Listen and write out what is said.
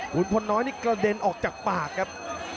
คุณพลน้อยนี่กระเด็นออกจากปากครับ